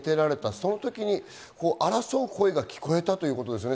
その時に争う声が聞こえたということですね。